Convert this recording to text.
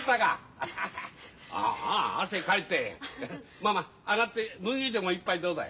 まあまあ上がって麦でも一杯どうだい？